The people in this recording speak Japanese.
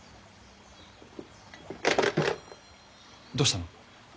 どうしたの？